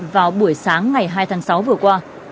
vào buổi sáng ngày hai tháng sáu vừa qua